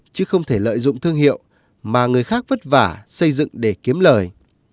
chứ không thể lợi dụng thương hiệu mà người khác vất vả xây dựng để kiếm lời